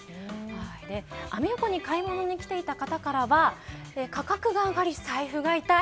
アメ横に買い物に来ていた人からは価格が上がり財布が痛い。